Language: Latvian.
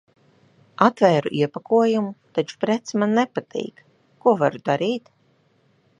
Atvēru iepakojumu, taču prece man nepatīk. Ko varu darīt?